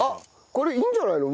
これいいんじゃないの？